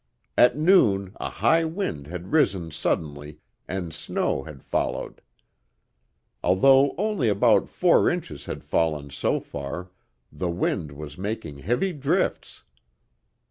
At noon a high wind had risen suddenly and snow had followed. Although only about four inches had fallen so far, the wind was making heavy drifts.